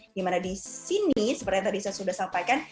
dimana di sini seperti yang tadi saya sudah sampaikan